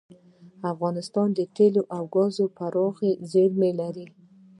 افغانستان د تیلو او ګازو پراخې زیرمې لري.